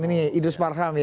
ini idris marham ya